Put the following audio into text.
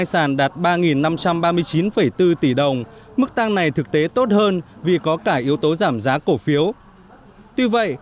sản đạt ba năm trăm ba mươi chín bốn tỷ đồng mức tăng này thực tế tốt hơn vì có cả yếu tố giảm giá cổ phiếu tuy vậy